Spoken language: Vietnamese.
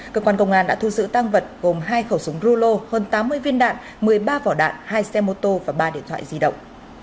cơ quan công an đã thu giữ tăng vật gồm hai khẩu súng rulo hơn tám mươi viên đạn một mươi ba vỏ đạn hai xe mô tô và ba điện thoại di động